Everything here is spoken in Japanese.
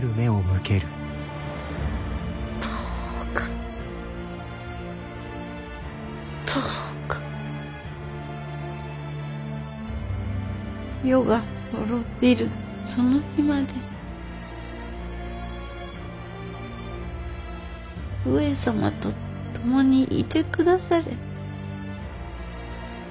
どうかどうか世が滅びるその日まで上様と共にいて下され。